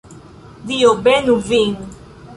Dio benu vin.